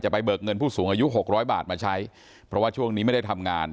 ไปเบิกเงินผู้สูงอายุหกร้อยบาทมาใช้เพราะว่าช่วงนี้ไม่ได้ทำงาน